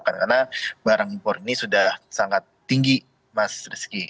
karena barang impor ini sudah sangat tinggi mas rizky